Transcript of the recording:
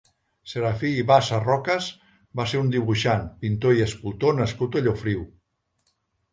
Serafí Bassa Rocas va ser un dibuixant, pintor i escultor nascut a Llofriu.